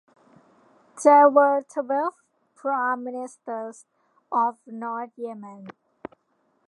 There were twelve prime ministers of North Yemen.